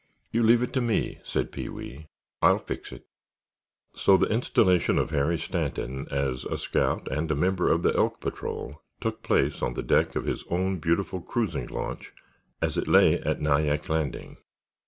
"You leave it to me," said Pee wee. "I'll fix it." So the installation of Harry Stanton as a scout and a member of the Elk Patrol took place on the deck of his own beautiful cruising launch as it lay at Nyack Landing.